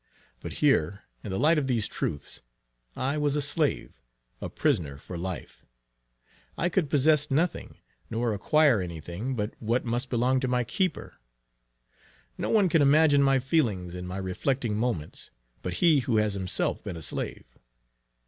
But here, in the light of these truths, I was a slave, a prisoner for life; I could possess nothing, nor acquire anything but what must belong to my keeper. No one can imagine my feelings in my reflecting moments, but he who has himself been a slave.